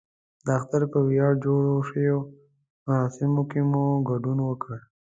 د اختر په ویاړ جوړو شویو مراسمو کې مو ګډون وکړ.